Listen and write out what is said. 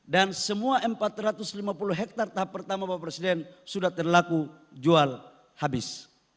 dan semua empat ratus lima puluh hektare tahap pertama sudah terlaku jual habis